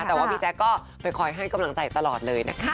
แต่ว่าพี่แจ๊คก็ไปคอยให้กำลังใจตลอดเลยนะคะ